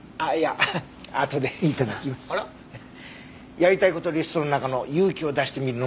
やりたいことリストの中の「勇気を出してみる」の文字